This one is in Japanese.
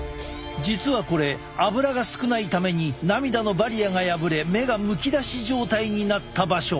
実はこれアブラが少ないために涙のバリアが破れ目がむき出し状態になった場所！